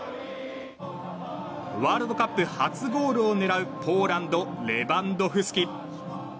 ワールドカップ初ゴールを狙うポーランド、レバンドフスキ。